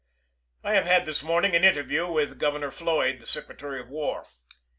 I have had this morning an interview with Governor Floyd, the Secretary of War.